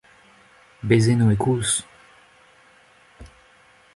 Bez eno e-koulz !